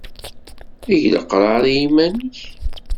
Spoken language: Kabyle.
Eg leqrar i yiman-nnek.